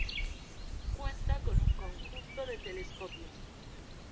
Cuenta con un conjunto de telescopios.